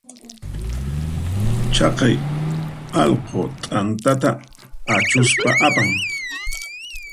Chaqay allqu t'antata achuspa apan.